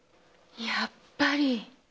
やっぱり！